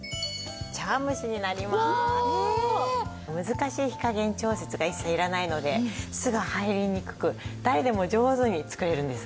難しい火加減調節が一切要らないのですが入りにくく誰でも上手に作れるんです。